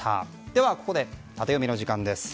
では、ここでタテヨミの時間です。